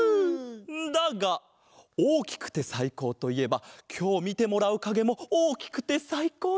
だがおおきくてさいこうといえばきょうみてもらうかげもおおきくてさいこうなんだ！